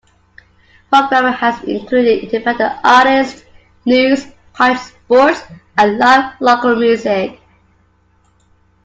Programming has included independent artists, news, college sports, and live local music.